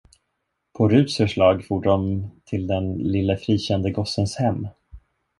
På Ruts förslag for de till den lille frikände gossens hem.